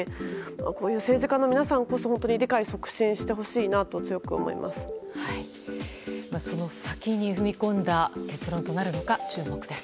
こういう政治家の皆さんほど理解を促進してほしいなとその先に踏み込んだ結論となるのか注目です。